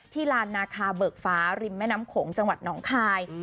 ลานนาคาเบิกฟ้าริมแม่น้ำโขงจังหวัดหนองคาย